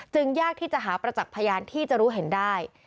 ยากที่จะหาประจักษ์พยานที่จะรู้เห็นได้